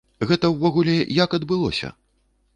Гэта ўвогуле як адбылося?